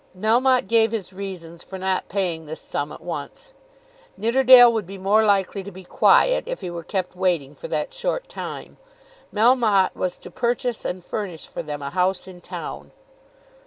Melmotte gave his reasons for not paying this sum at once. Nidderdale would be more likely to be quiet, if he were kept waiting for that short time. Melmotte was to purchase and furnish for them a house in town.